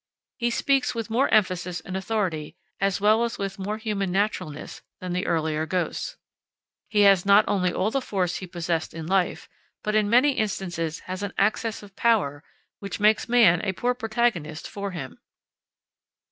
He speaks with more emphasis and authority, as well as with more human naturalness, than the earlier ghosts. He has not only all the force he possessed in life, but in many instances has an access of power, which makes man a poor protagonist for him.